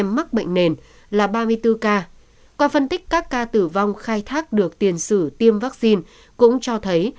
mắc bệnh nền là ba mươi bốn ca qua phân tích các ca tử vong khai thác được tiền sử tiêm vaccine cũng cho thấy